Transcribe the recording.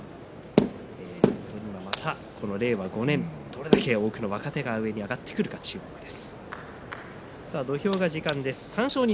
令和５年にどれだけの若手が上に上がってくるか注目です。